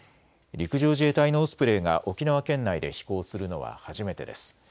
陸上自衛隊のオスプレイが沖縄県内で飛行するのは初めてです。